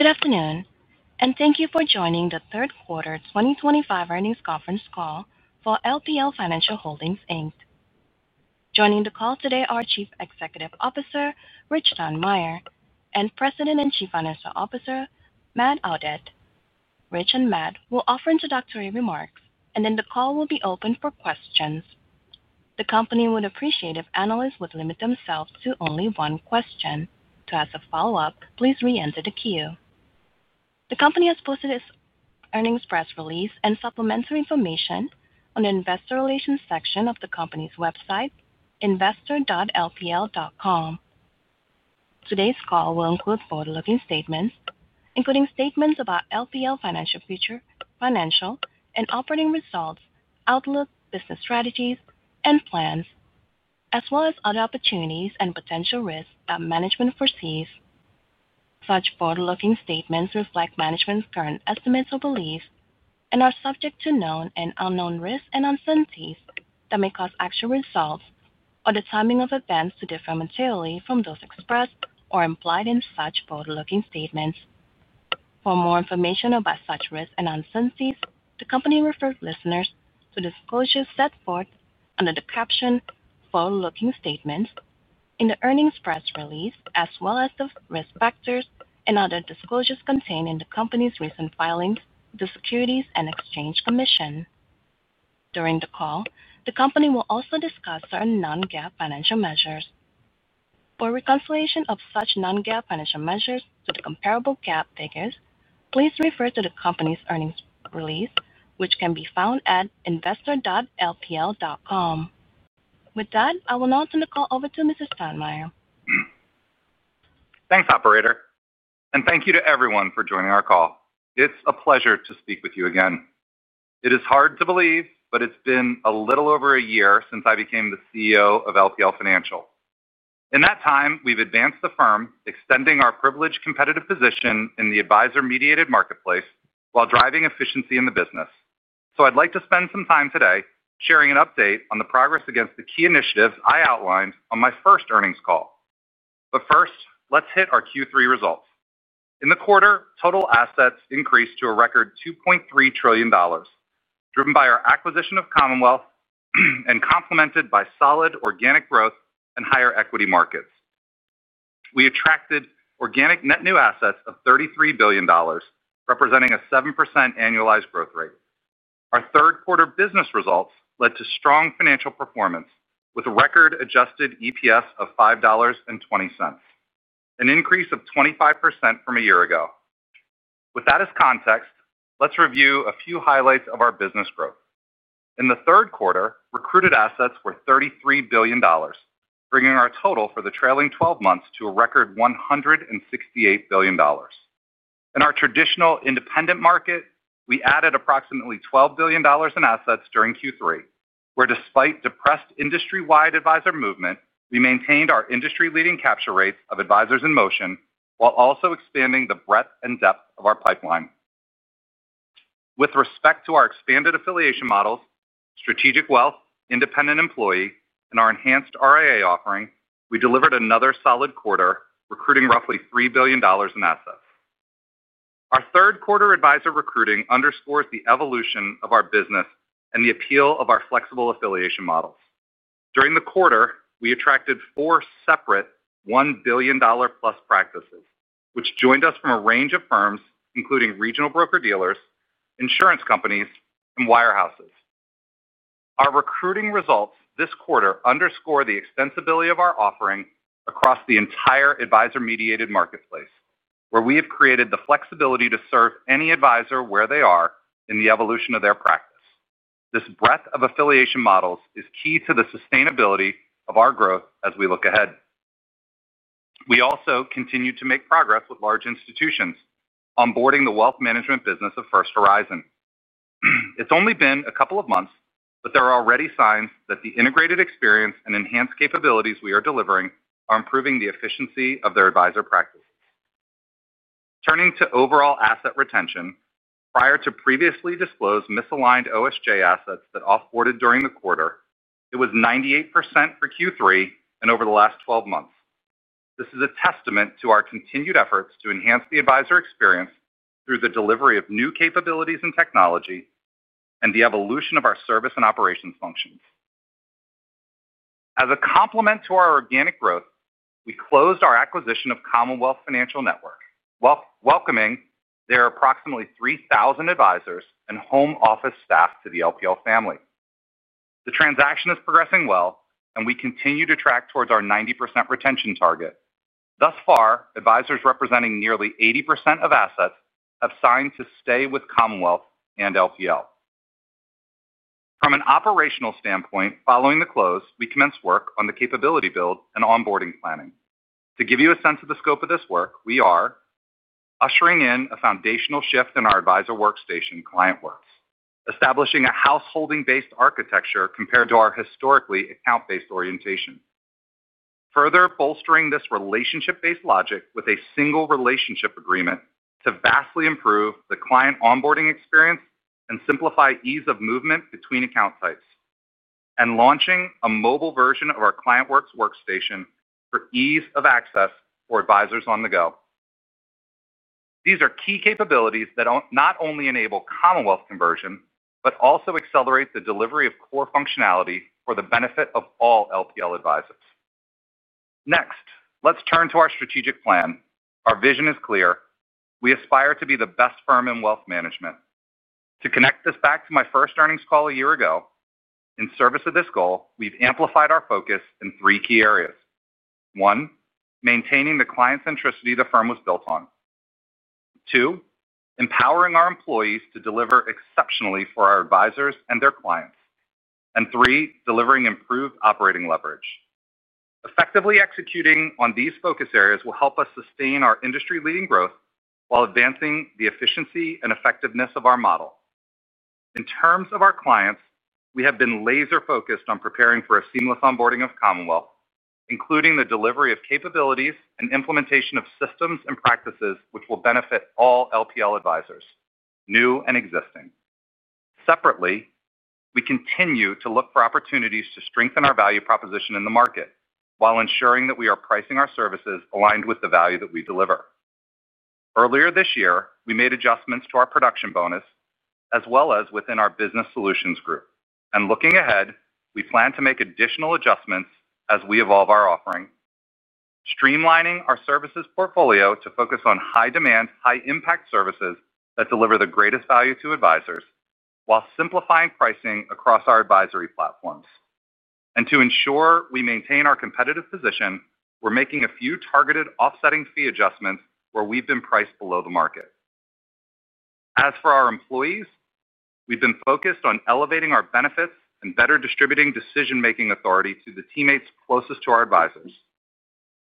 Good afternoon, and thank you for joining the third quarter 2025 earnings conference call for LPL Financial Holdings Inc. Joining the call today are Chief Executive Officer Rich Steinmeier and President and Chief Financial Officer Matt Audette. Rich and Matt will offer introductory remarks, and then the call will be open for questions. The company would appreciate if analysts would limit themselves to only one question. To ask a follow-up, please re-enter the queue. The company has posted its earnings press release and supplementary information on the investor relations section of the company's website, investor.lpl.com. Today's call will include forward-looking statements, including statements about LPL Financial future, financial and operating results, outlook, business strategies, and plans, as well as other opportunities and potential risks that management foresees. Such forward-looking statements reflect management's current estimates or beliefs and are subject to known and unknown risks and uncertainties that may cause actual results or the timing of events to differ materially from those expressed or implied in such forward-looking statements. For more information about such risks and uncertainties, the company refers listeners to disclosures set forth under the caption "Forward-looking Statements" in the earnings press release, as well as the risk factors and other disclosures contained in the company's recent filings with the Securities and Exchange Commission. During the call, the company will also discuss certain non-GAAP financial measures. For reconciliation of such non-GAAP financial measures to the comparable GAAP figures, please refer to the company's earnings release, which can be found at investor.lpl.com. With that, I will now turn the call over to Mr. Steinmeier. Thanks, Operator. Thank you to everyone for joining our call. It's a pleasure to speak with you again. It is hard to believe, but it's been a little over a year since I became the CEO of LPL Financial. In that time, we've advanced the firm, extending our privileged competitive position in the advisor-mediated marketplace while driving efficiency in the business. I'd like to spend some time today sharing an update on the progress against the key initiatives I outlined on my first earnings call. First, let's hit our Q3 results. In the quarter, total assets increased to a record $2.3 trillion, driven by our acquisition of Commonwealth Financial Network and complemented by solid organic growth and higher equity markets. We attracted organic net new assets of $33 billion, representing a 7% annualized growth rate. Our third quarter business results led to strong financial performance with a record adjusted EPS of $5.20, an increase of 25% from a year ago. With that as context, let's review a few highlights of our business growth. In the third quarter, recruited assets were $33 billion, bringing our total for the trailing 12 months to a record $168 billion. In our traditional independent market, we added approximately $12 billion in assets during Q3, where, despite depressed industry-wide advisor movement, we maintained our industry-leading capture rates of advisors in motion while also expanding the breadth and depth of our pipeline. With respect to our expanded affiliation models, Strategic Wealth, independent employee, and our enhanced RIA offering, we delivered another solid quarter, recruiting roughly $3 billion in assets. Our third quarter advisor recruiting underscores the evolution of our business and the appeal of our flexible affiliation models. During the quarter, we attracted four separate $1 billion-plus practices, which joined us from a range of firms, including regional broker-dealers, insurance companies, and wirehouses. Our recruiting results this quarter underscore the extensibility of our offering across the entire advisor-mediated marketplace, where we have created the flexibility to serve any advisor where they are in the evolution of their practice. This breadth of affiliation models is key to the sustainability of our growth as we look ahead. We also continue to make progress with large institutions, onboarding the wealth management business of First Horizon. It's only been a couple of months, but there are already signs that the integrated experience and enhanced capabilities we are delivering are improving the efficiency of their advisor practices. Turning to overall asset retention, prior to previously disclosed misaligned OSJ assets that offboarded during the quarter, it was 98% for Q3 and over the last 12 months. This is a testament to our continued efforts to enhance the advisor experience through the delivery of new capabilities and technology and the evolution of our service and operations functions. As a complement to our organic growth, we closed our acquisition of Commonwealth Financial Network, welcoming their approximately 3,000 advisors and home office staff to the LPL family. The transaction is progressing well, and we continue to track towards our 90% retention target. Thus far, advisors representing nearly 80% of assets have signed to stay with Commonwealth and LPL. From an operational standpoint, following the close, we commence work on the capability build and onboarding planning. To give you a sense of the scope of this work, we are ushering in a foundational shift in our advisor workstation, ClientWorks, establishing a householding-based architecture compared to our historically account-based orientation. Further bolstering this relationship-based logic with a single relationship agreement to vastly improve the client onboarding experience and simplify ease of movement between account types, and launching a mobile version of our ClientWorks workstation for ease of access for advisors on the go. These are key capabilities that not only enable Commonwealth conversion but also accelerate the delivery of core functionality for the benefit of all LPL advisors. Next, let's turn to our strategic plan. Our vision is clear. We aspire to be the best firm in wealth management. To connect this back to my first earnings call a year ago, in service of this goal, we've amplified our focus in three key areas. One, maintaining the client centricity the firm was built on. Two, empowering our employees to deliver exceptionally for our advisors and their clients. Three, delivering improved operating leverage. Effectively executing on these focus areas will help us sustain our industry-leading growth while advancing the efficiency and effectiveness of our model. In terms of our clients, we have been laser-focused on preparing for a seamless onboarding of Commonwealth Financial Network, including the delivery of capabilities and implementation of systems and practices which will benefit all LPL advisors, new and existing. Separately, we continue to look for opportunities to strengthen our value proposition in the market while ensuring that we are pricing our services aligned with the value that we deliver. Earlier this year, we made adjustments to our production bonus as well as within our business solutions group. Looking ahead, we plan to make additional adjustments as we evolve our offering, streamlining our services portfolio to focus on high-demand, high-impact services that deliver the greatest value to advisors while simplifying pricing across our advisory platforms. To ensure we maintain our competitive position, we're making a few targeted offsetting fee adjustments where we've been priced below the market. As for our employees, we've been focused on elevating our benefits and better distributing decision-making authority to the teammates closest to our advisors.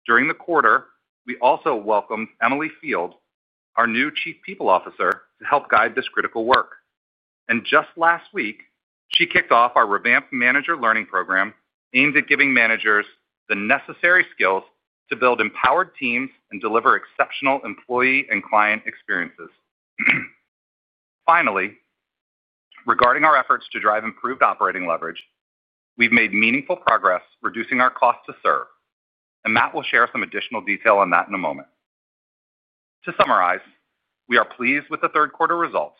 During the quarter, we also welcomed Emily Field, our new Chief People Officer, to help guide this critical work. Just last week, she kicked off our revamped Manager Learning Program aimed at giving managers the necessary skills to build empowered teams and deliver exceptional employee and client experiences. Finally, regarding our efforts to drive improved operating leverage, we've made meaningful progress reducing our cost to serve. Matt will share some additional detail on that in a moment. To summarize, we are pleased with the third quarter results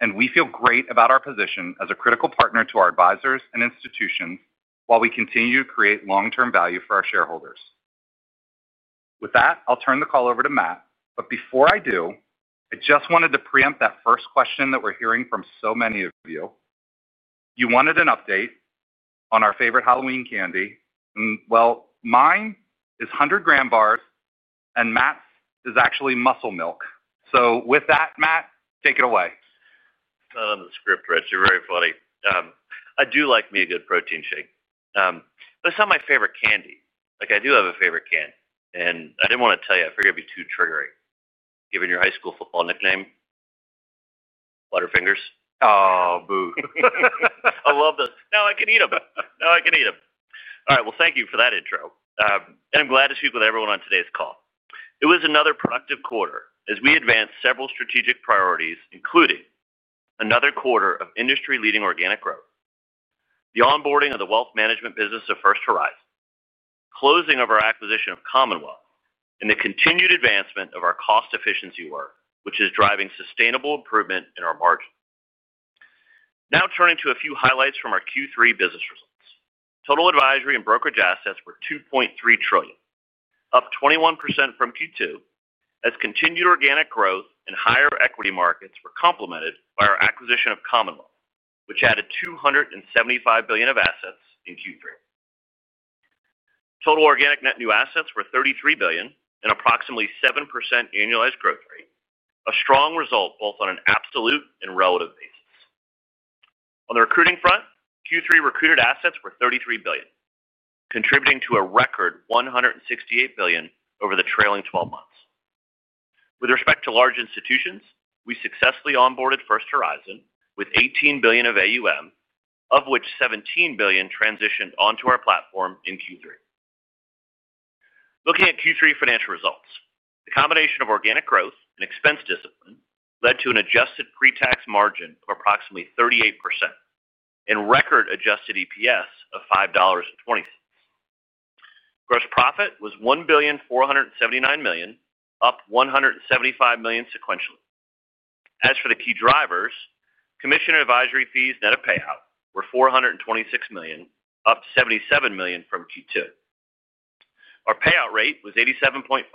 and we feel great about our position as a critical partner to our advisors and institutions while we continue to create long-term value for our shareholders. With that, I'll turn the call over to Matt. Before I do, I just wanted to preempt that first question that we're hearing from so many of you. You wanted an update on our favorite Halloween candy. Mine is 100-gram bars, and Matt's is actually Muscle Milk. With that, Matt, take it away. I love the script, Rich. You're very funny. I do like me a good protein shake. It's not my favorite candy. I do have a favorite candy. I didn't want to tell you. I figured it'd be too triggering, given your high school football nickname: Butterfingers. Oh, boo. I love those. Now I can eat them. Now I can eat them. All right. Thank you for that intro. I'm glad to speak with everyone on today's call. It was another productive quarter as we advanced several strategic priorities, including another quarter of industry-leading organic growth, the onboarding of the wealth management business of First Horizon, closing of our acquisition of Commonwealth Financial Network, and the continued advancement of our cost efficiency work, which is driving sustainable improvement in our margin. Now turning to a few highlights from our Q3 business results. Total advisory and brokerage assets were $2.3 trillion, up 21% from Q2, as continued organic growth and higher equity markets were complemented by our acquisition of Commonwealth Financial Network, which added $275 billion of assets in Q3. Total organic net new assets were $33 billion and approximately 7% annualized growth rate, a strong result both on an absolute and relative basis. On the recruiting front, Q3 recruited assets were $33 billion, contributing to a record $168 billion over the trailing 12 months. With respect to large institutions, we successfully onboarded First Horizon with $18 billion of AUM, of which $17 billion transitioned onto our platform in Q3. Looking at Q3 financial results, the combination of organic growth and expense discipline led to an adjusted pre-tax margin of approximately 38% and record adjusted EPS of $5.20. Gross profit was $1,479 million, up $175 million sequentially. As for the key drivers, commission and advisory fees net of payout were $426 million, up $77 million from Q2. Our payout rate was 87.5%,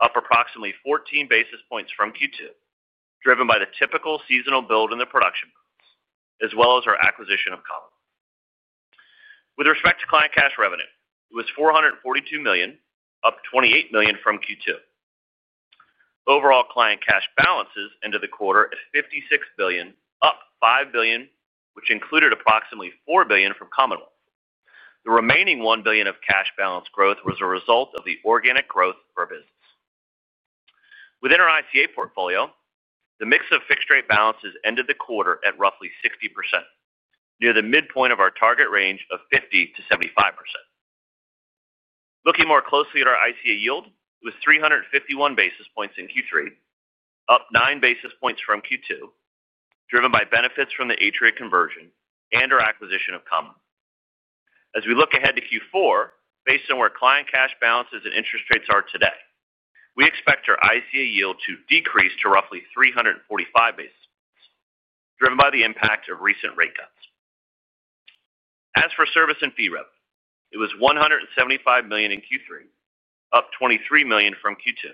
up approximately 14 basis points from Q2, driven by the typical seasonal build in the production booths, as well as our acquisition of Commonwealth Financial Network. With respect to client cash revenue, it was $442 million, up $28 million from Q2. Overall client cash balances ended the quarter at $56 billion, up $5 billion, which included approximately $4 billion from Commonwealth Financial Network. The remaining $1 billion of cash balance growth was a result of the organic growth of our business. Within our ICA portfolio, the mix of fixed-rate balances ended the quarter at roughly 60%, near the midpoint of our target range of 50% to 75%. Looking more closely at our ICA yield, it was 351 basis points in Q3, up 9 basis points from Q2, driven by benefits from the Atria conversion and our acquisition of Commonwealth Financial Network. As we look ahead to Q4, based on where client cash balances and interest rates are today, we expect our ICA yield to decrease to roughly 345 basis points, driven by the impact of recent rate cuts. As for service and fee revenue, it was $175 million in Q3, up $23 million from Q2,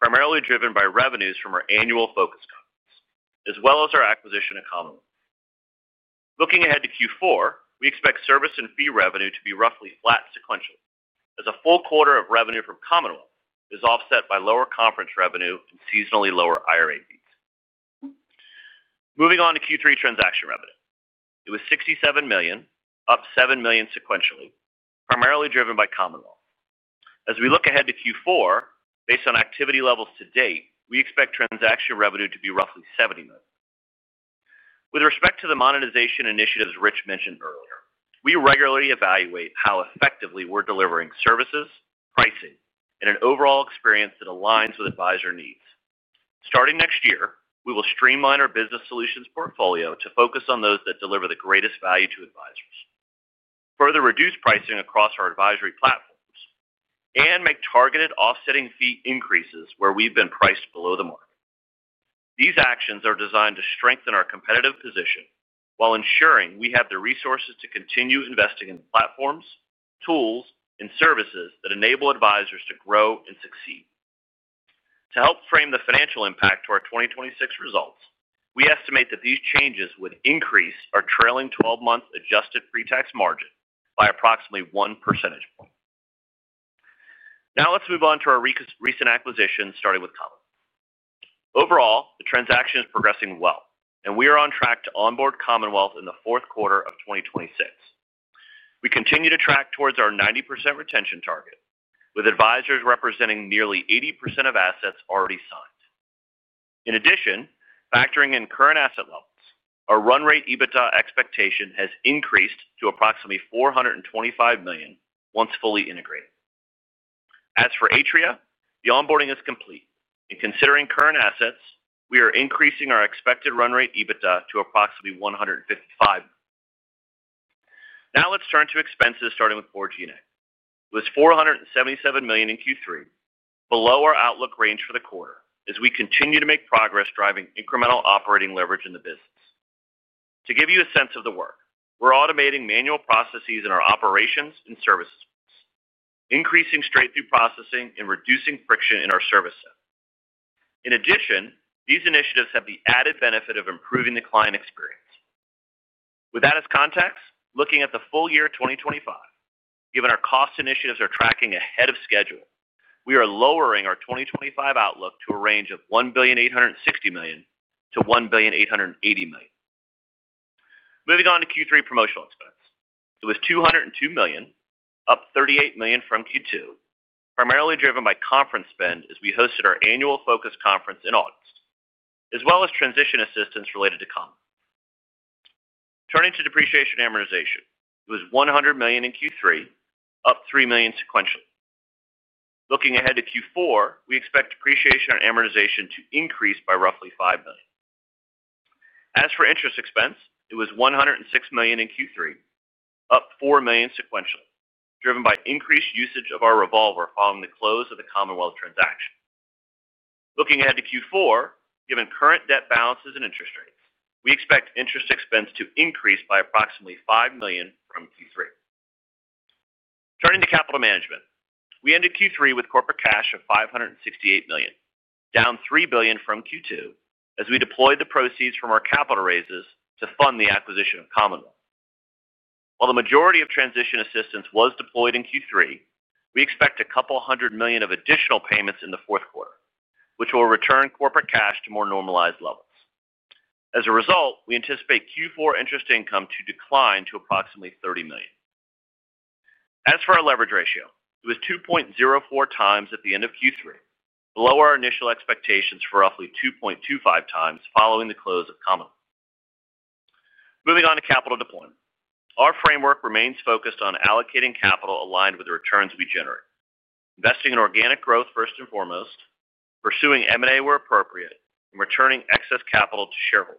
primarily driven by revenues from our annual focus conference, as well as our acquisition of Commonwealth Financial Network. Looking ahead to Q4, we expect service and fee revenue to be roughly flat sequentially, as a full quarter of revenue from Commonwealth Financial Network is offset by lower conference revenue and seasonally lower IRA fees. Moving on to Q3 transaction revenue, it was $67 million, up $7 million sequentially, primarily driven by Commonwealth Financial Network. As we look ahead to Q4, based on activity levels to date, we expect transaction revenue to be roughly $70 million. With respect to the monetization initiatives Rich Steinmeier mentioned earlier, we regularly evaluate how effectively we're delivering services, pricing, and an overall experience that aligns with advisor needs. Starting next year, we will streamline our business solutions portfolio to focus on those that deliver the greatest value to advisors, further reduce pricing across our advisory platforms, and make targeted offsetting fee increases where we've been priced below the market. These actions are designed to strengthen our competitive position while ensuring we have the resources to continue investing in the platforms, tools, and services that enable advisors to grow and succeed. To help frame the financial impact to our 2026 results, we estimate that these changes would increase our trailing 12-month adjusted pre-tax margin by approximately 1%. Now let's move on to our recent acquisitions, starting with Commonwealth Financial Network. Overall, the transaction is progressing well, and we are on track to onboard Commonwealth Financial Network in the fourth quarter of 2026. We continue to track towards our 90% retention target, with advisors representing nearly 80% of assets already signed. In addition, factoring in current asset levels, our run rate EBITDA expectation has increased to approximately $425 million once fully integrated. As for Atria, the onboarding is complete. Considering current assets, we are increasing our expected run rate EBITDA to approximately $155 million. Now let's turn to expenses, starting with 4G Net. It was $477 million in Q3, below our outlook range for the quarter, as we continue to make progress driving incremental operating leverage in the business. To give you a sense of the work, we're automating manual processes in our operations and service space, increasing straight-through processing and reducing friction in our service center. In addition, these initiatives have the added benefit of improving the client experience. With that as context, looking at the full year 2025, given our cost initiatives are tracking ahead of schedule, we are lowering our 2025 outlook to a range of $1,860 million-$1,880 million. Moving on to Q3 promotional expense. It was $202 million, up $38 million from Q2, primarily driven by conference spend as we hosted our annual focus conference in August, as well as transition assistance related to Commonwealth. Turning to depreciation and amortization, it was $100 million in Q3, up $3 million sequentially. Looking ahead to Q4, we expect depreciation and amortization to increase by roughly $5 million. As for interest expense, it was $106 million in Q3, up $4 million sequentially, driven by increased usage of our revolver following the close of the Commonwealth transaction. Looking ahead to Q4, given current debt balances and interest rates, we expect interest expense to increase by approximately $5 million from Q3. Turning to capital management, we ended Q3 with corporate cash of $568 million, down $3 billion from Q2, as we deployed the proceeds from our capital raises to fund the acquisition of Commonwealth. While the majority of transition assistance was deployed in Q3, we expect a couple hundred million of additional payments in the fourth quarter, which will return corporate cash to more normalized levels. As a result, we anticipate Q4 interest income to decline to approximately $30 million. As for our leverage ratio, it was 2.04 times at the end of Q3, below our initial expectations for roughly 2.25 times following the close of Commonwealth. Moving on to capital deployment, our framework remains focused on allocating capital aligned with the returns we generate, investing in organic growth first and foremost, pursuing M&A where appropriate, and returning excess capital to shareholders.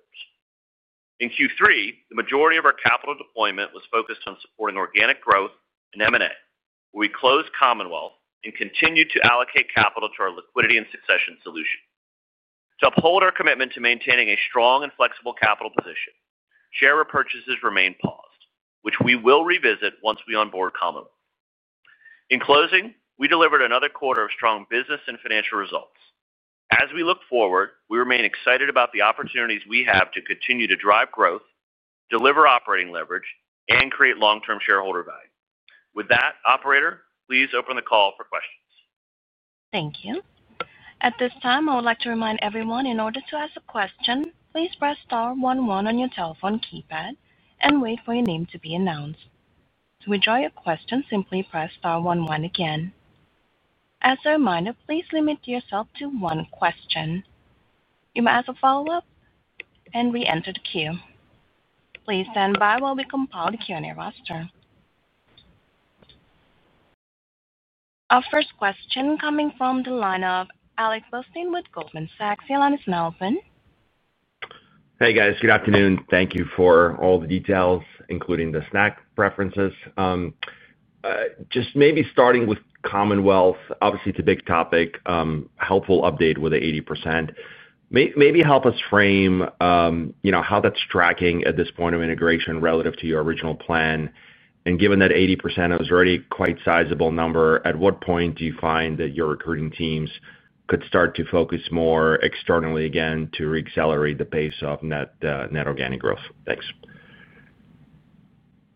In Q3, the majority of our capital deployment was focused on supporting organic growth and M&A, where we closed Commonwealth and continued to allocate capital to our liquidity and succession solution. To uphold our commitment to maintaining a strong and flexible capital position, share repurchases remain paused, which we will revisit once we onboard Commonwealth Financial Network. In closing, we delivered another quarter of strong business and financial results. As we look forward, we remain excited about the opportunities we have to continue to drive growth, deliver operating leverage, and create long-term shareholder value. With that, operator, please open the call for questions. Thank you. At this time, I would like to remind everyone, in order to ask a question, please press star one one on your telephone keypad and wait for your name to be announced. To withdraw your question, simply press star one one again. As a reminder, please limit yourself to one question. You may ask a follow-up and re-enter the queue. Please stand by while we compile the Q&A roster. Our first question coming from the line of Alex Blostein with Goldman Sachs. Hey, your line is now open. Hey, guys. Good afternoon. Thank you for all the details, including the SNAC preferences. Just maybe starting with Commonwealth, obviously it's a big topic. Helpful update with the 80%. Maybe help us frame how that's tracking at this point of integration relative to your original plan. Given that 80% is already quite a sizable number, at what point do you find that your recruiting teams could start to focus more externally again to re-accelerate the pace of net organic growth? Thanks.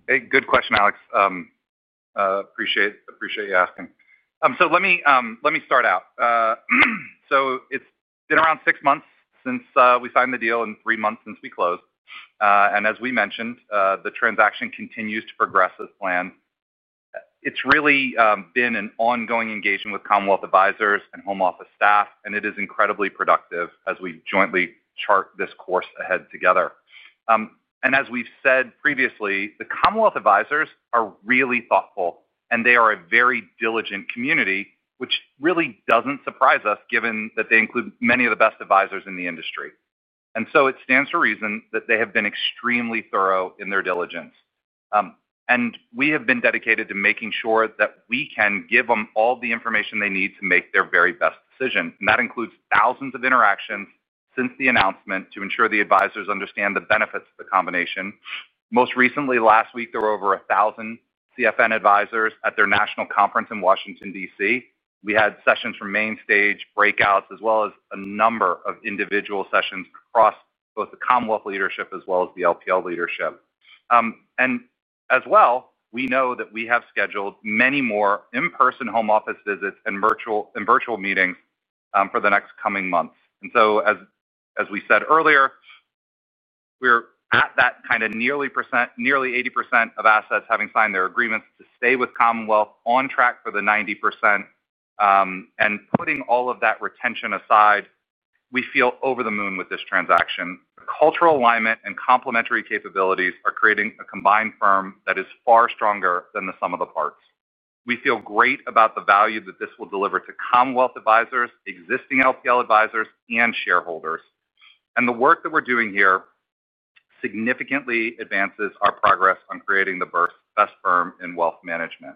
Hey, good question, Alex. Appreciate you asking. Let me start out. It's been around six months since we signed the deal and three months since we closed. As we mentioned, the transaction continues to progress as planned. It's really been an ongoing engagement with Commonwealth advisors and home office staff, and it is incredibly productive as we jointly chart this course ahead together. As we've said previously, the Commonwealth advisors are really thoughtful, and they are a very diligent community, which really doesn't surprise us, given that they include many of the best advisors in the industry. It stands to reason that they have been extremely thorough in their diligence. We have been dedicated to making sure that we can give them all the information they need to make their very best decision. That includes thousands of interactions since the announcement to ensure the advisors understand the benefits of the combination. Most recently, last week, there were over 1,000 Commonwealth advisors at their national conference in Washington, DC. We had sessions from Mainstage, breakouts, as well as a number of individual sessions across both the Commonwealth leadership as well as the LPL leadership. We know that we have scheduled many more in-person home office visits and virtual meetings for the next coming months. As we said earlier, we're at that kind of nearly 80% of assets having signed their agreements to stay with Commonwealth on track for the 90%. Putting all of that retention aside, we feel over the moon with this transaction. The cultural alignment and complementary capabilities are creating a combined firm that is far stronger than the sum of the parts. We feel great about the value that this will deliver to Commonwealth advisors, existing LPL advisors, and shareholders. The work that we're doing here significantly advances our progress on creating the best firm in wealth management.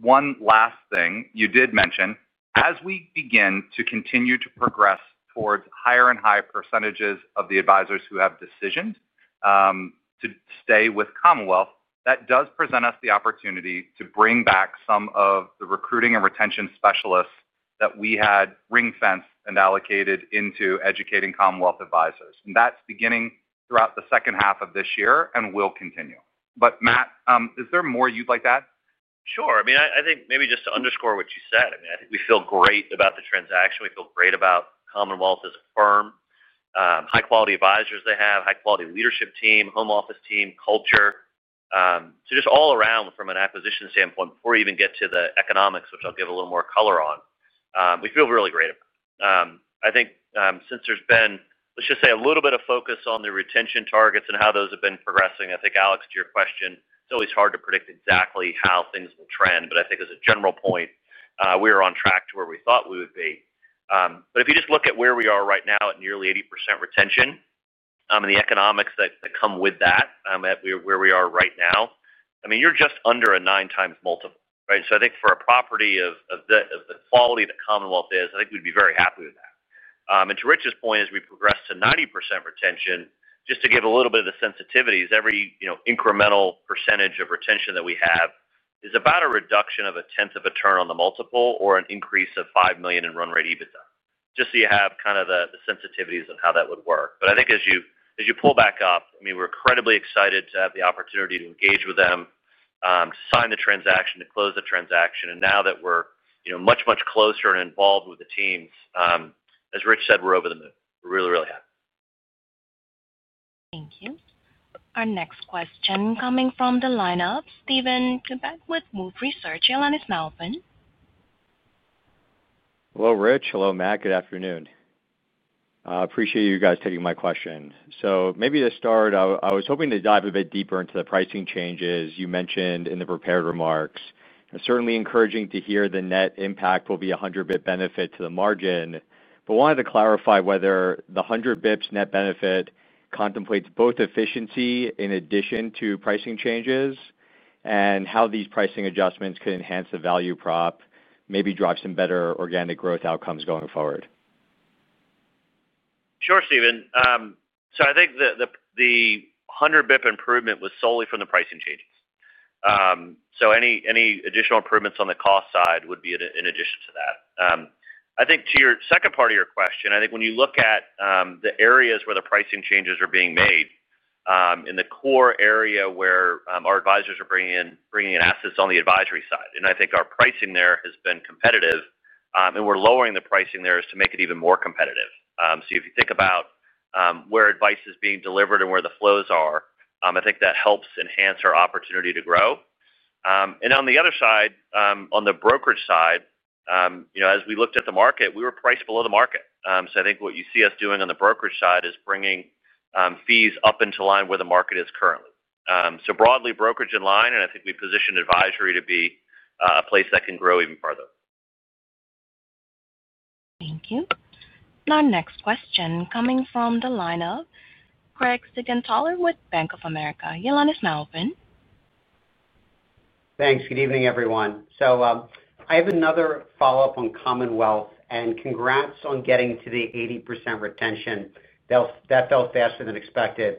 One last thing you did mention, as we begin to continue to progress towards higher and higher percentages of the advisors who have decisioned to stay with Commonwealth, that does present us the opportunity to bring back some of the recruiting and retention specialists that we had ring-fenced and allocated into educating Commonwealth advisors. That's beginning throughout the second half of this year and will continue. Matt, is there more you'd like to add? Sure. I think maybe just to underscore what you said, I think we feel great about the transaction. We feel great about Commonwealth as a firm, high-quality advisors they have, high-quality leadership team, home office team, culture. Just all around from an acquisition standpoint, before we even get to the economics, which I'll give a little more color on, we feel really great about it. I think since there's been, let's just say, a little bit of focus on the retention targets and how those have been progressing. I think, Alex, to your question, it's always hard to predict exactly how things will trend. I think as a general point, we are on track to where we thought we would be. If you just look at where we are right now at nearly 80% retention and the economics that come with that, where we are right now, you're just under a 9x multiple, right? I think for a property of the quality that Commonwealth is, I think we'd be very happy with that. To Rich's point, as we progress to 90% retention, just to give a little bit of the sensitivities, every incremental percentage of retention that we have is about a reduction of a tenth of a turn on the multiple or an increase of $5 million in run rate EBITDA. Just so you have kind of the sensitivities of how that would work. I think as you pull back up, we're incredibly excited to have the opportunity to engage with them, to sign the transaction, to close the transaction. Now that we're much, much closer and involved with the teams, as Rich said, we're over the moon. We're really, really happy. Thank you. Our next question coming from the lineup, Steven Chubak with Wolfe Research. Hey, your line is now open. Hello, Rich. Hello, Matt. Good afternoon. Appreciate you guys taking my question. Maybe to start, I was hoping to dive a bit deeper into the pricing changes you mentioned in the prepared remarks. It's certainly encouraging to hear the net impact will be a 100-bp benefit to the margin. I wanted to clarify whether the 100-bp net benefit contemplates both efficiency in addition to pricing changes and how these pricing adjustments could enhance the value prop, maybe drive some better organic growth outcomes going forward. Sure, Steven. I think the 100-bp improvement was solely from the pricing changes. Any additional improvements on the cost side would be in addition to that. To your second part of your question, when you look at the areas where the pricing changes are being made, in the core area where our advisors are bringing in assets on the advisory side, I think our pricing there has been competitive, and we're lowering the pricing there to make it even more competitive. If you think about where advice is being delivered and where the flows are, I think that helps enhance our opportunity to grow. On the other side, on the brokerage side, as we looked at the market, we were priced below the market. What you see us doing on the brokerage side is bringing fees up into line where the market is currently. Broadly, brokerage in line, and I think we position advisory to be a place that can grow even further. Thank you. Our next question coming from the lineup, Craig Siegenthaler with Bank of America. Hey, your line is now open. Thanks. Good evening, everyone. I have another follow-up on Commonwealth, and congrats on getting to the 80% retention. That fell faster than expected.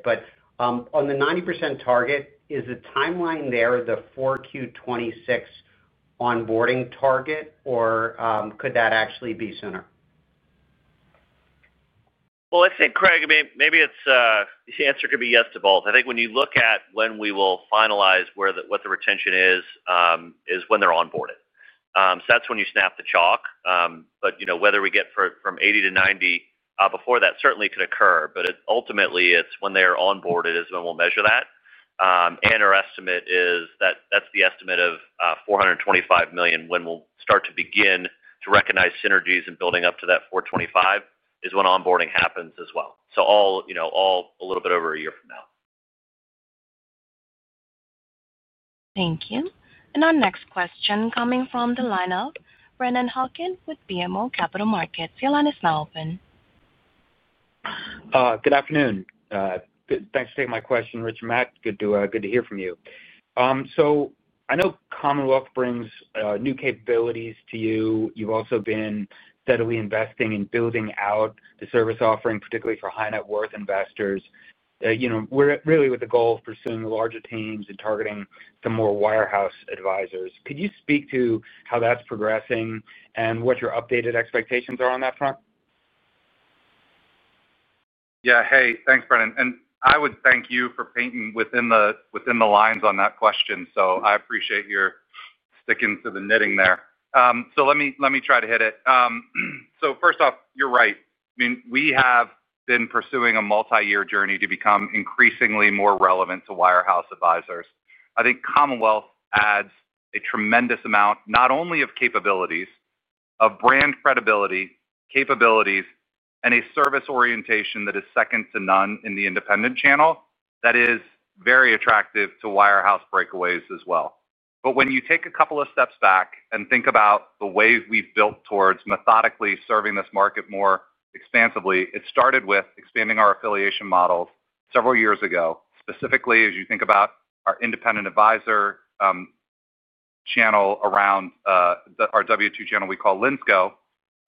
On the 90% target, is the timeline there the 4Q 2026 onboarding target, or could that actually be sooner? I think, Craig, maybe the answer could be yes to both. I think when you look at when we will finalize what the retention is, it's when they're onboarded. That's when you snap the chalk. Whether we get from 80 to 90 before that certainly could occur. Ultimately, it's when they're onboarded that we'll measure that. Our estimate is that that's the estimate of $425 million when we'll start to begin to recognize synergies, and building up to that $425 million is when onboarding happens as well. All a little bit over a year from now. Thank you. Our next question is coming from the line of Brennan Hawken with BMO Capital Markets. Hey, your line is now open. Good afternoon. Thanks for taking my question, Rich and Matt. Good to hear from you. I know Commonwealth brings new capabilities to you. You've also been steadily investing in building out the service offering, particularly for high-net-worth investors, really with the goal of pursuing larger teams and targeting some more warehouse advisors. Could you speak to how that's progressing and what your updated expectations are on that front? Yeah. Hey, thanks, Brennan. I would thank you for painting within the lines on that question. I appreciate your sticking to the knitting there. Let me try to hit it. First off, you're right. We have been pursuing a multi-year journey to become increasingly more relevant to wirehouse advisors. I think Commonwealth adds a tremendous amount, not only of capabilities, of brand credibility, capabilities, and a service orientation that is second to none in the independent channel that is very attractive to wirehouse breakaways as well. When you take a couple of steps back and think about the ways we've built towards methodically serving this market more expansively, it started with expanding our affiliation models several years ago, specifically as you think about our independent advisor channel around our W-2 channel we call LINSCO,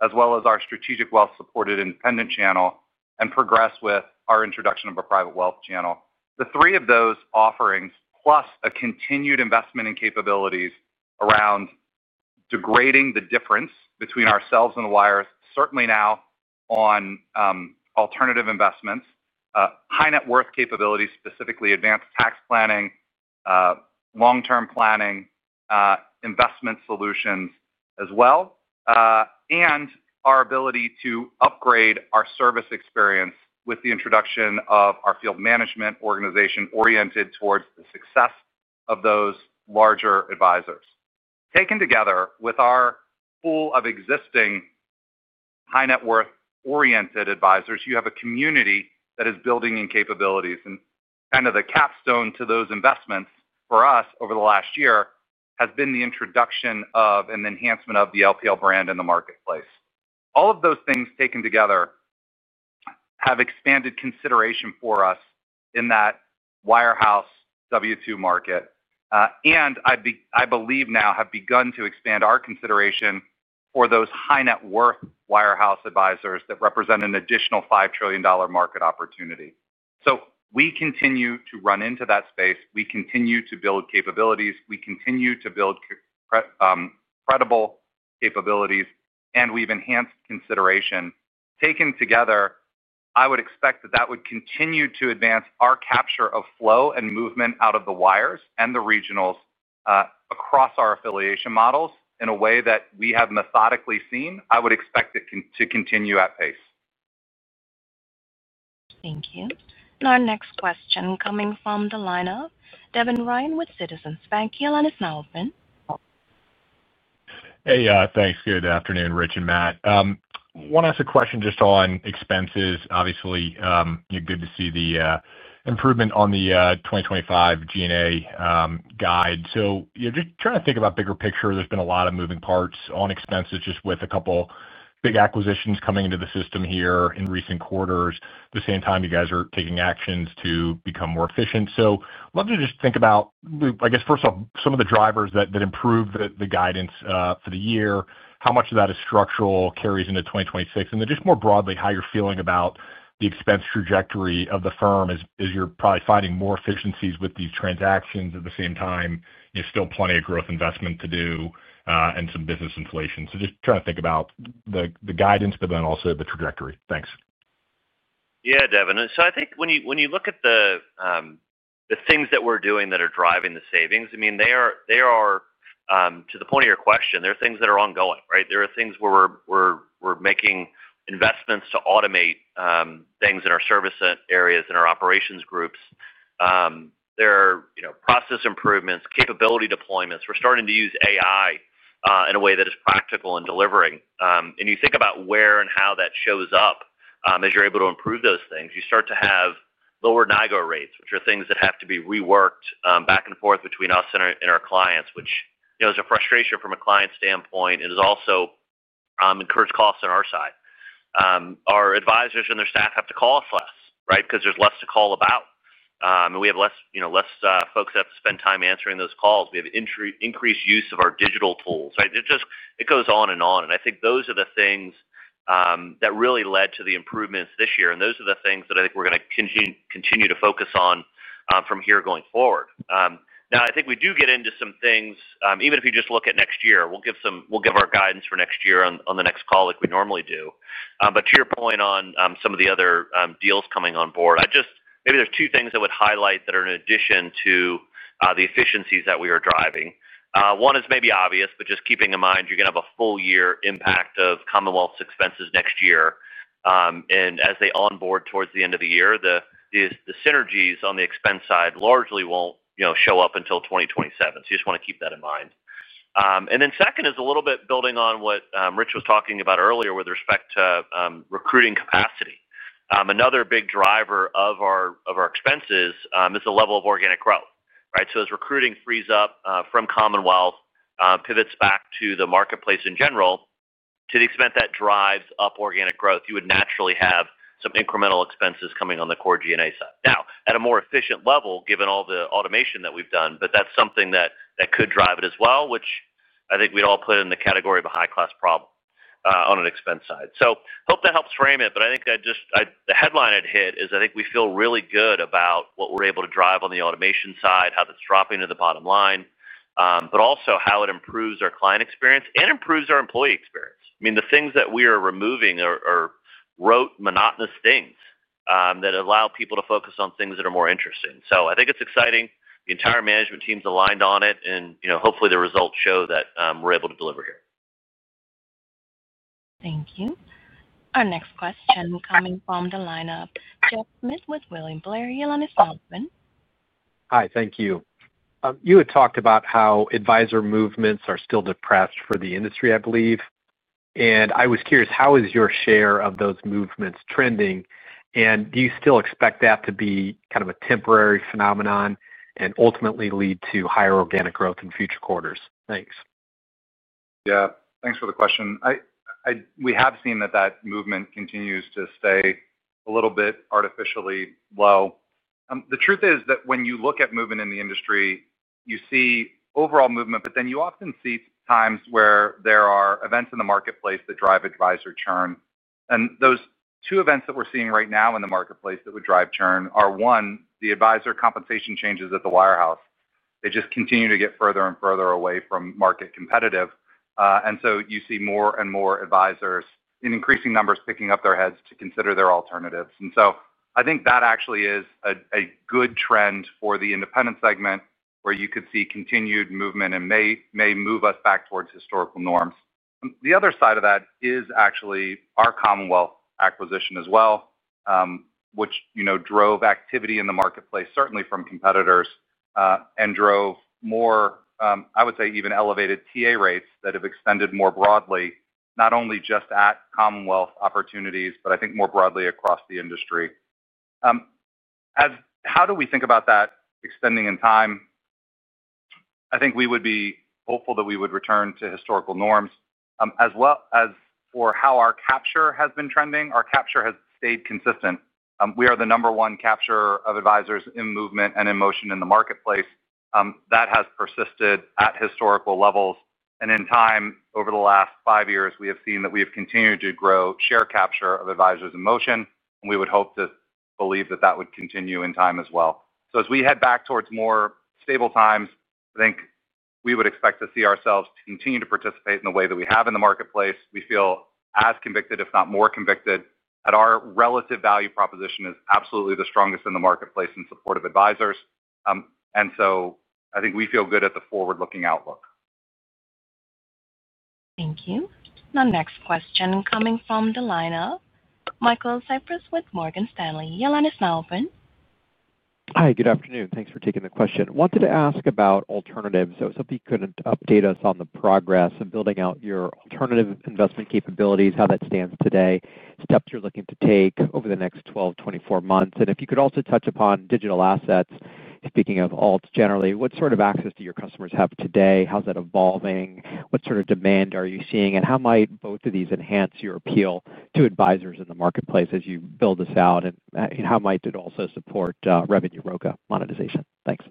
as well as our Strategic Wealth-supported independent channel, and progress with our introduction of a private wealth channel. The three of those offerings, plus a continued investment in capabilities around degrading the difference between ourselves and the wires, certainly now on alternative investments, high-net-worth capabilities, specifically advanced tax planning, long-term planning, investment solutions as well, and our ability to upgrade our service experience with the introduction of our field management organization oriented towards the success of those larger advisors. Taken together with our pool of existing high-net-worth oriented advisors, you have a community that is building in capabilities. The capstone to those investments for us over the last year has been the introduction of an enhancement of the LPL brand in the marketplace. All of those things taken together have expanded consideration for us in that wirehouse W-2 market. I believe now we have begun to expand our consideration for those high-net-worth wirehouse advisors that represent an additional $5 trillion market opportunity. We continue to run into that space. We continue to build capabilities. We continue to build credible capabilities, and we've enhanced consideration. Taken together, I would expect that that would continue to advance our capture of flow and movement out of the wires and the regionals across our affiliation models in a way that we have methodically seen. I would expect it to continue at pace. Thank you. Our next question is coming from the line of Devin Ryan with Citizens JMP Securities. Hey, your line is now open. Hey, thanks. Good afternoon, Rich and Matt. I want to ask a question just on expenses. Obviously, good to see the improvement on the 2025 G&A guide. Just trying to think about the bigger picture, there's been a lot of moving parts on expenses with a couple big acquisitions coming into the system here in recent quarters. At the same time, you guys are taking actions to become more efficient. I'd love to just think about, first off, some of the drivers that improved the guidance for the year, how much of that is structural, carries into 2026, and then more broadly how you're feeling about the expense trajectory of the firm as you're probably finding more efficiencies with these transactions. At the same time, still plenty of growth investment to do, and some business inflation. Just trying to think about the guidance, but also the trajectory. Thanks. Yeah, Devin. I think when you look at the things that we're doing that are driving the savings, they are, to the point of your question, ongoing, right? There are things where we're making investments to automate things in our service areas and our operations groups. There are process improvements, capability deployments. We're starting to use AI in a way that is practical and delivering. You think about where and how that shows up as you're able to improve those things, you start to have lower NIGO rates, which are things that have to be reworked back and forth between us and our clients, which is a frustration from a client standpoint. It has also incurred costs on our side. Our advisors and their staff have to call us less, right, because there's less to call about. We have less folks that have to spend time answering those calls. We have increased use of our digital tools, right? It goes on and on. I think those are the things that really led to the improvements this year. Those are the things that I think we're going to continue to focus on from here going forward. I think we do get into some things, even if you just look at next year. We'll give our guidance for next year on the next call like we normally do. To your point on some of the other deals coming on board, maybe there are two things I would highlight that are in addition to the efficiencies that we are driving. One is maybe obvious, but just keeping in mind, you're going to have a full-year impact of Commonwealth Financial Network's expenses next year. As they onboard towards the end of the year, the synergies on the expense side largely won't show up until 2027, so you just want to keep that in mind. Second is a little bit building on what Rich Steinmeier was talking about earlier with respect to recruiting capacity. Another big driver of our expenses is the level of organic growth, right? As recruiting frees up from Commonwealth Financial Network, pivots back to the marketplace in general, to the extent that drives up organic growth, you would naturally have some incremental expenses coming on the core general and administrative expenses side. Now, at a more efficient level, given all the automation that we've done, that's something that could drive it as well, which I think we'd all put in the category of a high-class problem on an expense side. Hope that helps frame it. I think the headline I'd hit is I think we feel really good about what we're able to drive on the automation side, how that's dropping to the bottom line, but also how it improves our client experience and improves our employee experience. I mean, the things that we are removing are rote, monotonous things that allow people to focus on things that are more interesting. I think it's exciting. The entire management team's aligned on it. Hopefully, the results show that we're able to deliver here. Thank you. Our next question coming from the lineup, Jeff Schmitt with William Blair. Your line is open. Hi, thank you. You had talked about how advisor movements are still depressed for the industry, I believe. I was curious, how is your share of those movements trending? Do you still expect that to be kind of a temporary phenomenon and ultimately lead to higher organic growth in future quarters? Thanks. Yeah. Thanks for the question. We have seen that movement continues to stay a little bit artificially low. The truth is that when you look at movement in the industry, you see overall movement, but then you often see times where there are events in the marketplace that drive advisor churn. Those two events that we're seeing right now in the marketplace that would drive churn are, one, the advisor compensation changes at the wirehouse. They just continue to get further and further away from market competitive, and you see more and more advisors in increasing numbers picking up their heads to consider their alternatives. I think that actually is a good trend for the independent segment where you could see continued movement and may move us back towards historical norms. The other side of that is actually our Commonwealth Financial Network acquisition as well, which drove activity in the marketplace, certainly from competitors, and drove more, I would say, even elevated TA rates that have extended more broadly, not only just at Commonwealth Financial Network opportunities, but I think more broadly across the industry. How do we think about that extending in time? I think we would be hopeful that we would return to historical norms as well as for how our capture has been trending. Our capture has stayed consistent. We are the number one capture of advisors in movement and in motion in the marketplace. That has persisted at historical levels. In time, over the last five years, we have seen that we have continued to grow share capture of advisors in motion, and we would hope to believe that would continue in time as well. As we head back towards more stable times, I think we would expect to see ourselves continue to participate in the way that we have in the marketplace. We feel as convicted, if not more convicted, that our relative value proposition is absolutely the strongest in the marketplace in support of advisors. I think we feel good at the forward-looking outlook. Thank you. Now, next question coming from the lineup, Michael Cyprys with Morgan Stanley. Your line is open. Hi, good afternoon. Thanks for taking the question. Wanted to ask about alternatives. If you could update us on the progress of building out your alternative investment capabilities, how that stands today, steps you're looking to take over the next 12 to 24 months. If you could also touch upon digital assets, speaking of alts generally, what sort of access do your customers have today? How's that evolving? What sort of demand are you seeing? How might both of these enhance your appeal to advisors in the marketplace as you build this out? How might it also support revenue ROCA monetization? Thanks.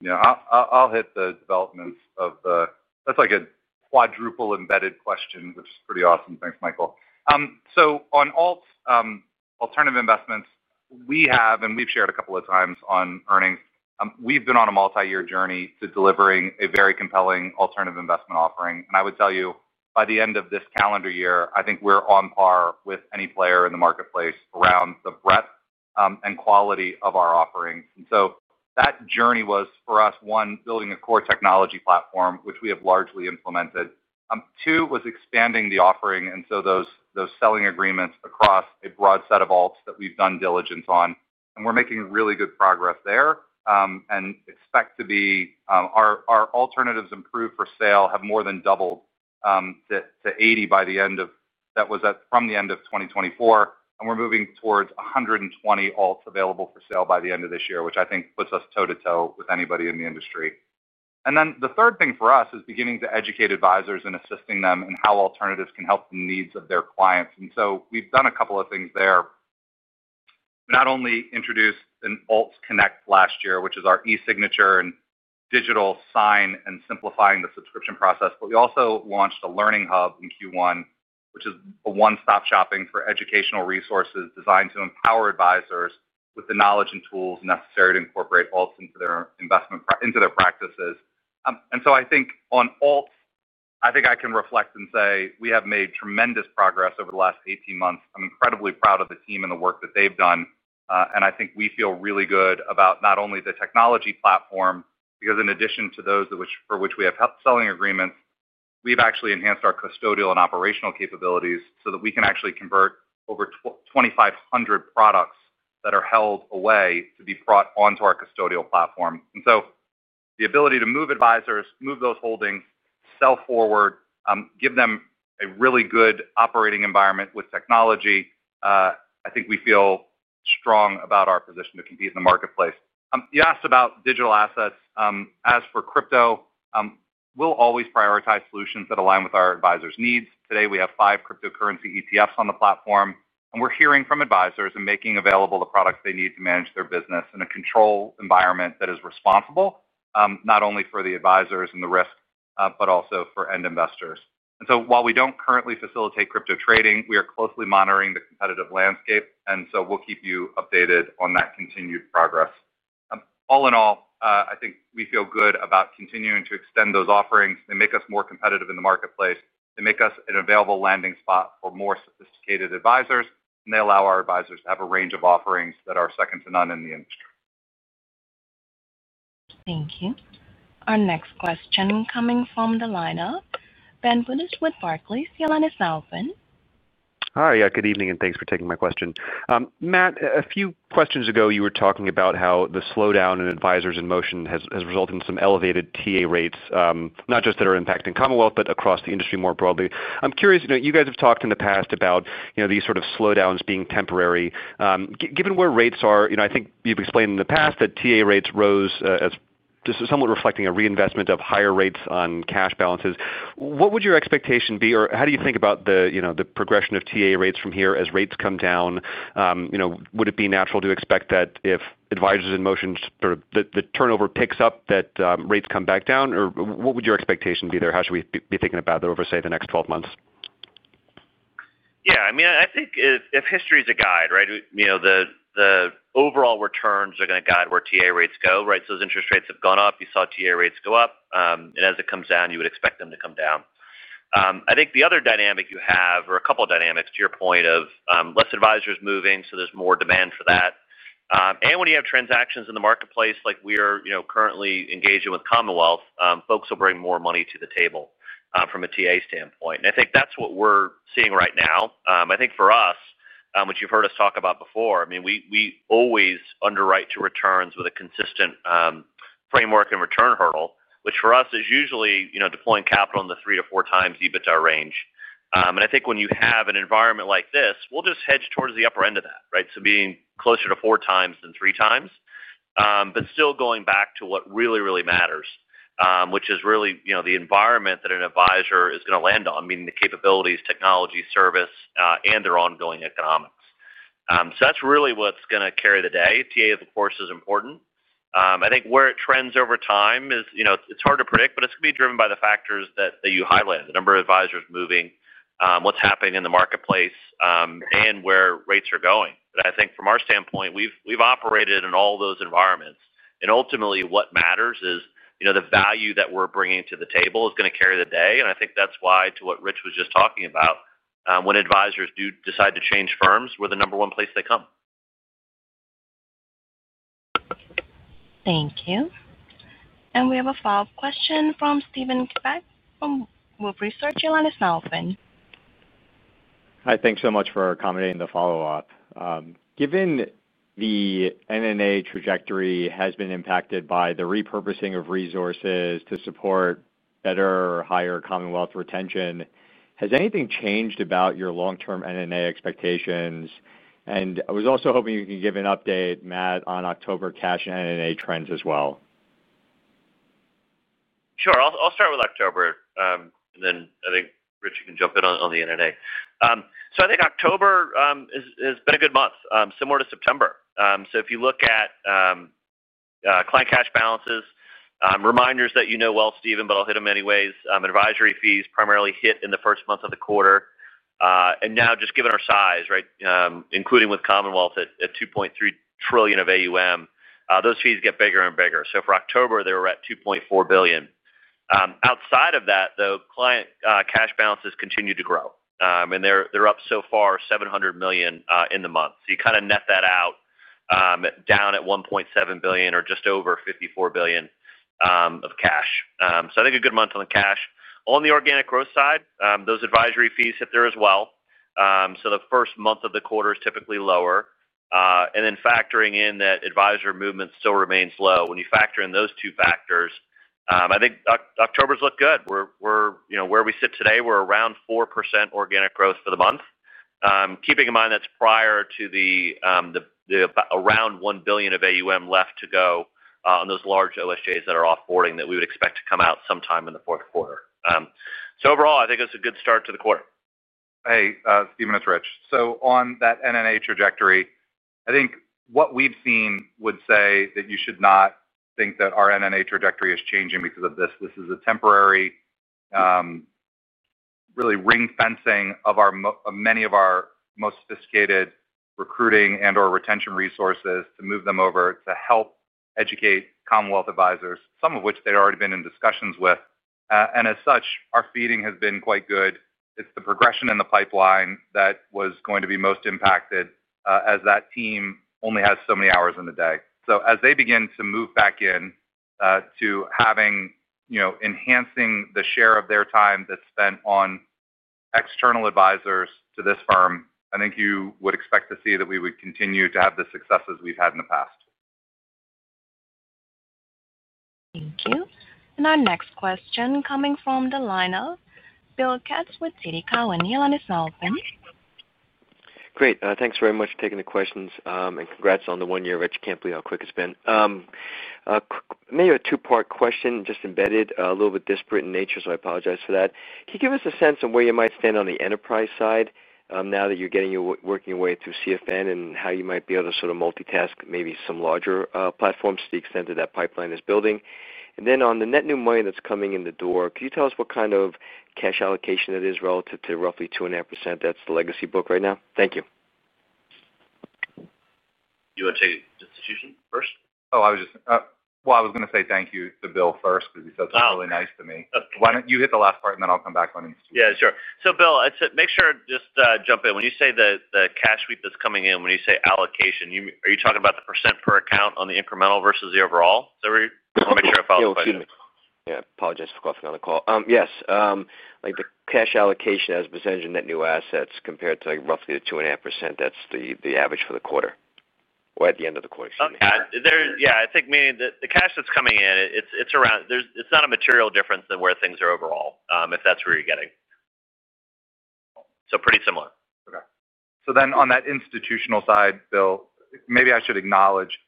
Yeah. I'll hit the developments of the—that's like a quadruple embedded question, which is pretty awesome. Thanks, Michael. On alts, alternative investments, we have, and we've shared a couple of times on earnings, we've been on a multi-year journey to delivering a very compelling alternative investment offering. I would tell you, by the end of this calendar year, I think we're on par with any player in the marketplace around the breadth and quality of our offerings. That journey was, for us, one, building a core technology platform, which we have largely implemented. Two, expanding the offering and those selling agreements across a broad set of alts that we've done diligence on. We're making really good progress there and expect our alternatives approved for sale have more than doubled to 80 by the end of—that was from the end of 2024. We're moving towards 120 alts available for sale by the end of this year, which I think puts us toe-to-toe with anybody in the industry. The third thing for us is beginning to educate advisors and assisting them in how alternatives can help the needs of their clients. We've done a couple of things there. We not only introduced Alts Connect last year, which is our e-signature and digital sign and simplifying the subscription process, but we also launched a learning hub in Q1, which is a one-stop shopping for educational resources designed to empower advisors with the knowledge and tools necessary to incorporate alts into their practices. On alts, I think I can reflect and say we have made tremendous progress over the last 18 months. I'm incredibly proud of the team and the work that they've done. I think we feel really good about not only the technology platform, because in addition to those for which we have selling agreements, we've actually enhanced our custodial and operational capabilities so that we can actually convert over 2,500 products that are held away to be brought onto our custodial platform. The ability to move advisors, move those holdings, sell forward, give them a really good operating environment with technology, I think we feel strong about our position to compete in the marketplace. You asked about digital assets. As for crypto, we'll always prioritize solutions that align with our advisors' needs. Today, we have five cryptocurrency ETFs on the platform. We are hearing from advisors and making available the products they need to manage their business in a controlled environment that is responsible, not only for the advisors and the risk, but also for end investors. While we do not currently facilitate crypto trading, we are closely monitoring the competitive landscape. We will keep you updated on that continued progress. All in all, I think we feel good about continuing to extend those offerings. They make us more competitive in the marketplace, make us an available landing spot for more sophisticated advisors, and allow our advisors to have a range of offerings that are second to none in the industry. Thank you. Our next question coming from the lineup, Benjamin Budish with Barclays. Hi. Good evening and thanks for taking my question. Matt, a few questions ago, you were talking about how the slowdown in advisors in motion has resulted in some elevated TA rates, not just that are impacting Commonwealth, but across the industry more broadly. I'm curious, you guys have talked in the past about these sort of slowdowns being temporary. Given where rates are, I think you've explained in the past that TA rates rose as somewhat reflecting a reinvestment of higher rates on cash balances. What would your expectation be or how do you think about the progression of TA rates from here as rates come down? Would it be natural to expect that if advisors in motion, the turnover picks up, that rates come back down? What would your expectation be there? How should we be thinking about that over, say, the next 12 months? Yeah. I mean, I think if history is a guide, right, the overall returns are going to guide where TA rates go, right? As interest rates have gone up, you saw TA rates go up. As it comes down, you would expect them to come down. I think the other dynamic you have are a couple of dynamics to your point of less advisors moving, so there's more demand for that. When you have transactions in the marketplace, like we are currently engaging with Commonwealth Financial Network, folks will bring more money to the table from a TA standpoint. I think that's what we're seeing right now. For us, which you've heard us talk about before, we always underwrite to returns with a consistent framework and return hurdle, which for us is usually deploying capital in the three to four times EBITDA range. I think when you have an environment like this, we'll just hedge towards the upper end of that, right, so being closer to four times than three times, but still going back to what really, really matters, which is really the environment that an advisor is going to land on, meaning the capabilities, technology, service, and their ongoing economics. That's really what's going to carry the day. TA, of course, is important. I think where it trends over time is it's hard to predict, but it's going to be driven by the factors that you highlighted: the number of advisors moving, what's happening in the marketplace, and where rates are going. I think from our standpoint, we've operated in all those environments. Ultimately, what matters is the value that we're bringing to the table is going to carry the day. I think that's why, to what Rich Steinmeier was just talking about, when advisors do decide to change firms, we're the number one place they come. Thank you. We have a follow-up question from Steven Chubak from Wolfe Research. Hi. Thanks so much for accommodating the follow-up. Given the NNA trajectory has been impacted by the repurposing of resources to support better, higher Commonwealth retention, has anything changed about your long-term NNA expectations? I was also hoping you can give an update, Matt, on October cash and NNA trends as well. Sure. I'll start with October. I think Rich, you can jump in on the NNA. I think October has been a good month, similar to September. If you look at client cash balances, reminders that you know well, Steven, but I'll hit them anyways, advisory fees primarily hit in the first month of the quarter. Just given our size, including with Commonwealth at $2.3 trillion of AUM, those fees get bigger and bigger. For October, they were at $2.4 billion. Outside of that, client cash balances continue to grow, and they're up so far $700 million in the month. You kind of net that out, down at $1.7 billion or just over $54 billion of cash. I think a good month on cash. On the organic growth side, those advisory fees hit there as well. The first month of the quarter is typically lower, and then factoring in that advisor movement still remains low, when you factor in those two factors, I think October's looked good. Where we sit today, we're around 4% organic growth for the month, keeping in mind that's prior to the around $1 billion of AUM left to go on those large OSJs that are offboarding that we would expect to come out sometime in the fourth quarter. Overall, I think it was a good start to the quarter. Hey, Steven, it's Rich. On that NNA trajectory, I think what we've seen would say that you should not think that our NNA trajectory is changing because of this. This is a temporary, really ring-fencing of many of our most sophisticated recruiting and/or retention resources to move them over to help educate Commonwealth advisors, some of which they've already been in discussions with. As such, our feeding has been quite good. It's the progression in the pipeline that was going to be most impacted as that team only has so many hours in the day. As they begin to move back in to enhancing the share of their time that's spent on external advisors to this firm, I think you would expect to see that we would continue to have the successes we've had in the past. Thank you. Our next question coming from the line, Bill Katz with TD Cowen. Great. Thanks very much for taking the questions. Congrats on the one-year, Rich Steinmeier, how quick it's been. Maybe a two-part question, just embedded, a little bit disparate in nature, so I apologize for that. Can you give us a sense of where you might stand on the enterprise side now that you're working your way through Commonwealth Financial Network and how you might be able to sort of multitask maybe some larger platforms to the extent that that pipeline is building? On the net new money that's coming in the door, can you tell us what kind of cash allocation it is relative to roughly 2.5%? That's the legacy book right now. Thank you. Do you want to take institution first? Oh, I was just going to say thank you to Bill first because he said something really nice to me. You hit the last part, and then I'll come back on institution. Yeah, sure. Bill, make sure—just jump in. When you say the cash sweep that's coming in, when you say allocation, are you talking about the % per account on the incremental versus the overall? I want to make sure I follow up question. Excuse me. Apologize for coughing on the call. Yes, the cash allocation, as I was saying, your net new assets compared to roughly the 2.5%, that's the average for the quarter or at the end of the quarter. Okay. I think maybe the cash that's coming in, it's around, it's not a material difference than where things are overall, if that's where you're getting. So pretty similar. Okay. On that institutional side, Bill, maybe I should acknowledge,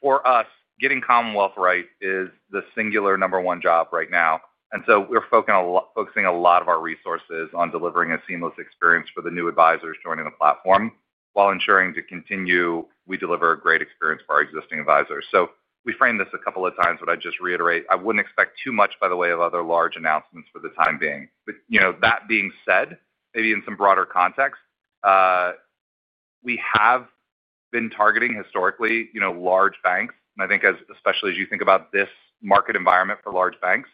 for us, getting Commonwealth right is the singular number one job right now. We are focusing a lot of our resources on delivering a seamless experience for the new advisors joining the platform while ensuring we continue to deliver a great experience for our existing advisors. We framed this a couple of times, but I'd just reiterate, I wouldn't expect too much by way of other large announcements for the time being. That being said, maybe in some broader context, we have been targeting historically large banks. I think especially as you think about this market environment for large banks,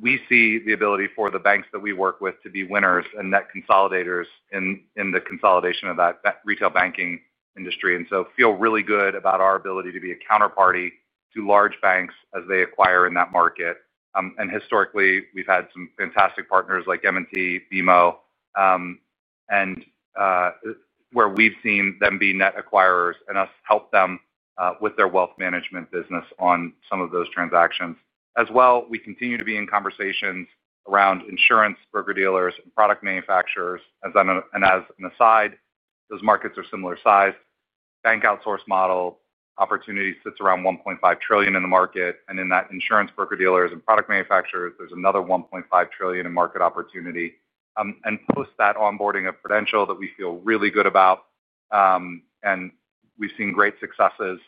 we see the ability for the banks that we work with to be winners and net consolidators in the consolidation of that retail banking industry. We feel really good about our ability to be a counterparty to large banks as they acquire in that market. Historically, we've had some fantastic partners like M&T, BMO, where we've seen them be net acquirers and us help them with their wealth management business on some of those transactions. We continue to be in conversations around insurance, broker-dealers, and product manufacturers. As an aside, those markets are similar sized. Bank outsource model opportunity sits around $1.5 trillion in the market, and in that insurance, broker-dealers, and product manufacturers, there's another $1.5 trillion in market opportunity. Post that onboarding of Prudential that we feel really good about, we've seen great successes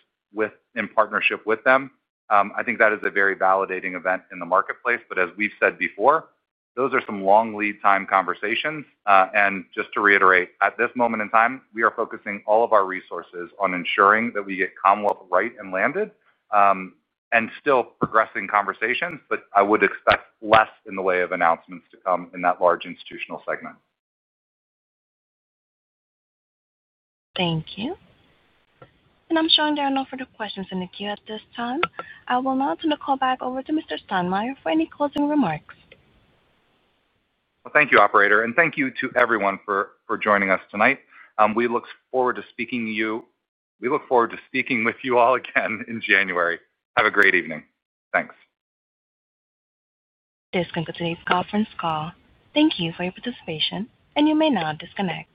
in partnership with them. I think that is a very validating event in the marketplace. As we've said before, those are some long lead-time conversations. Just to reiterate, at this moment in time, we are focusing all of our resources on ensuring that we get Commonwealth right and landed. We are still progressing conversations, but I would expect less in the way of announcements to come in that large institutional segment. Thank you. I'm showing there are no further questions in the queue at this time. I will now turn the call back over to Mr. Steinmeier for any closing remarks. Thank you, operator. Thank you to everyone for joining us tonight. We look forward to speaking with you all again in January. Have a great evening. Thanks. This concludes today's conference call. Thank you for your participation. You may now disconnect.